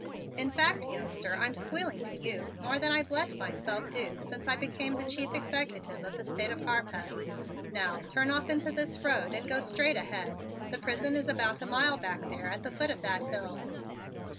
In fact, youngster, I'm squealing to you more than I've let myself do since I became the chief executive of this State of Harpeth. Now, turn off into this road and go straight ahead. The prison is about a mile back there at the foot of that hill."